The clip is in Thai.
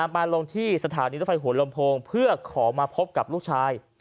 มาลงที่สถานีรถไฟหัวลำโพงเพื่อขอมาพบกับลูกชาย